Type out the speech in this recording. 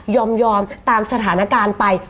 ตามสถานการณ์ไป